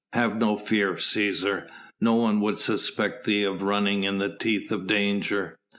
Have no fear, Cæsar! no one would suspect thee of running in the teeth of danger."